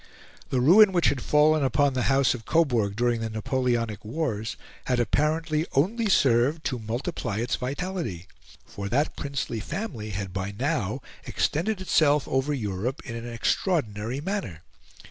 The ruin which had fallen upon the House of Coburg during the Napoleonic wars had apparently only served to multiply its vitality, for that princely family had by now extended itself over Europe in an extraordinary manner.